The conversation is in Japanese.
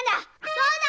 そうだ！